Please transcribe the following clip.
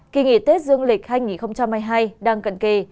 kỳ nghỉ tết dương lịch hai nghìn hai mươi hai đang cận kề